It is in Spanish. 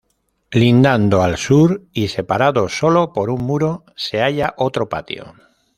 Lindando al sur y separado sólo por un muro se halla otro patio.